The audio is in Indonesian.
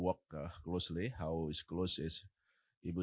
untuk memberikan penulisan terbaru